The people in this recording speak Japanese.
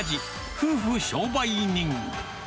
夫婦商売人。